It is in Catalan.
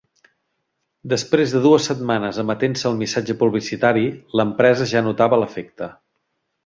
Després de dues setmanes emetent-se el missatge publicitari l'empresa ja notava l'efecte.